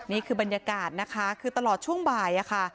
นี่คือบรรยากาศนะคะคือตลอดช่วงบ่ายค่ะ